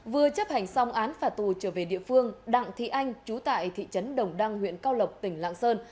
vừa chấp hành xong án phả tù trở về địa phương đặng thị anh chú tại thị trấn đồng đăng huyện cao lộc tỉnh lạng sơn